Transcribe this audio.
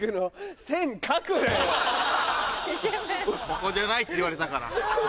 ここじゃないって言われたから。